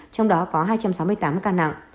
trong đó có hai trăm sáu mươi tám ca nặng